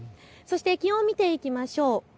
気温、見ていきましょう。